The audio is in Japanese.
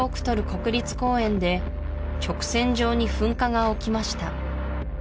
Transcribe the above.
国立公園で直線上に噴火が起きました